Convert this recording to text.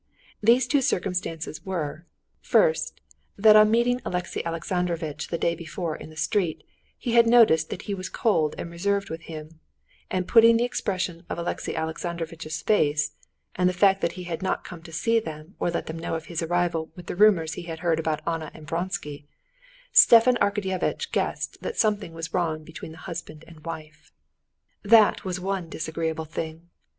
These two circumstances were: first, that on meeting Alexey Alexandrovitch the day before in the street he had noticed that he was cold and reserved with him, and putting the expression of Alexey Alexandrovitch's face and the fact that he had not come to see them or let them know of his arrival with the rumors he had heard about Anna and Vronsky, Stepan Arkadyevitch guessed that something was wrong between the husband and wife. That was one disagreeable thing.